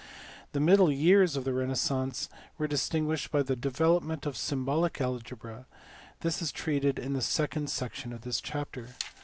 The middle years of the renaissance were distinguished by the development of symbolic algebra: this is treated in the second section of this chapter.